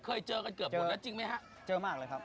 เคยเจอกันเกือบหมดแล้วจริงไหมฮะเจอมากเลยครับ